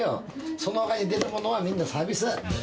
その前に出たものはみんなサービス。